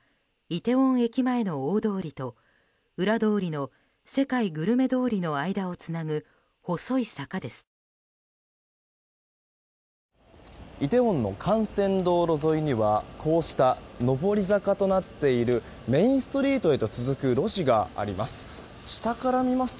イテウォンの幹線道路沿いにはこうした、上り坂となっているメインストリートへと続く路地があります。